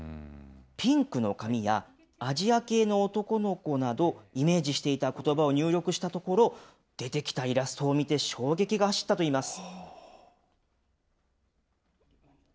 ピンクの髪やアジア系の男の子など、イメージしていたことばを入力したところ、出てきたイラストを見て衝撃が走ったといいます。